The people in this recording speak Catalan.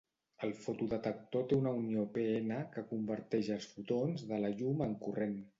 El fotodetector té una unió p-n que converteix els fotons de la llum en corrent.